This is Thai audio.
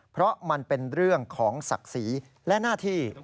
เพราะมันเป็นเรื่องของศักดิ์ศรีและหน้าที่